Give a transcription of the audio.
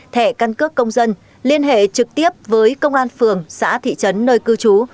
thẻ căn cước công dân liên hệ trực tiếp với công an phường xã thị trấn nơi cư trú